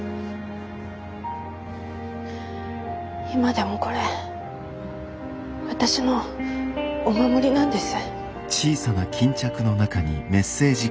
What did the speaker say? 今でもこれ私のお守りなんです。